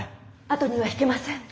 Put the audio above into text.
後には引けません。